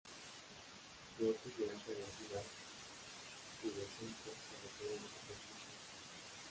Brotes de alta densidad, pubescentes, sobre toda la superficie.